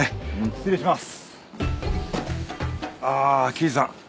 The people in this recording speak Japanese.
失礼します。